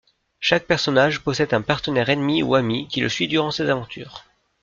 Chaque personnage possède un partenaire ennemi ou ami qui le suit durant ces aventures.